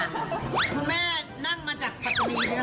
คุณแม่นั่งมาจากปัจจุนี้ใช่ไหมคะ